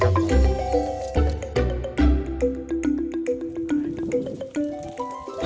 ครับผม